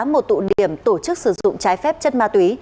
một tụ điểm tổ chức sử dụng trái phép chất ma túy